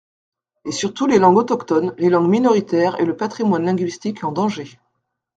Et surtout les langues autochtones, les langues minoritaires et le patrimoine linguistique en danger.